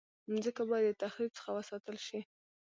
مځکه باید د تخریب څخه وساتل شي.